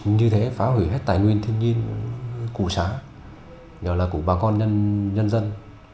như thế phá hủy hết tài nguyên thiên nhiên của xã nhờ là của bà con nhân dân